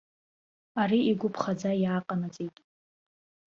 Ари игәы ԥхаӡа иааҟанаҵеит.